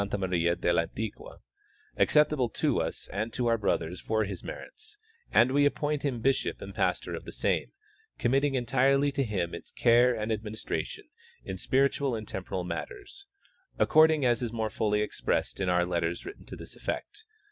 Maria del Antic^ua, acceptable to us and to our brothers for his merits, and we appoint him bishoj) and pastor of the same, committing entirely to him its care and administration in spiritual and temporal matters, according as is more fully expressed in our letters written to this effect.